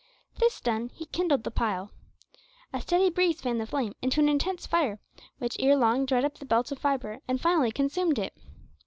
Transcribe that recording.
This done, he kindled the pile. A steady breeze fanned the flame into an intense fire, which ere long dried up the belt of fibre and finally consumed it.